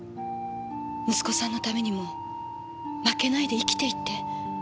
息子さんのためにも負けないで生きていって。